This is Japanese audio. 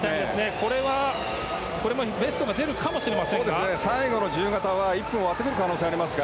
これはベストが出るかもしれませんか？